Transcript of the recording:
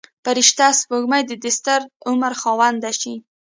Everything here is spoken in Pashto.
فرشته سپوږمۍ د دستر عمر خاونده شي.